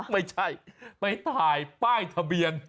ไม่ใช่ไปถ่ายป้ายทะเบียน